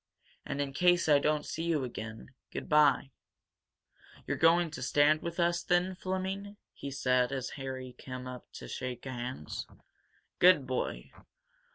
And, in case I don't see you again, good bye!" "You're going to stand with us, then, Fleming?" he said, as Harry came up to shake hands. "Good boy!